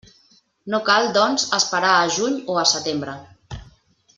No cal, doncs, esperar a juny o a setembre.